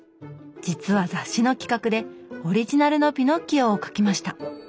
実は雑誌の企画でオリジナルのピノッキオを描きました。